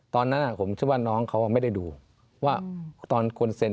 ตอนนั้นผมเชื่อว่าน้องเขาไม่ได้ดูว่าตอนควรเซ็น